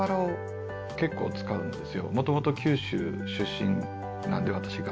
もともと九州出身なんで私が。